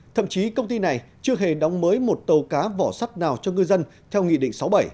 thậm chí công ty này chưa hề đóng mới một tàu cá vỏ sắt nào cho ngư dân theo nghị định sáu bảy